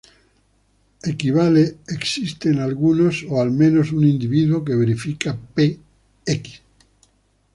Equivale “Existen algunos, o al menos un individuo que verifica P"x".